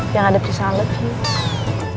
yang ada pisang lebih